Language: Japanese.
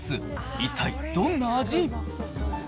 一体、どんな味？